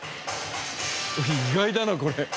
意外だなこれ。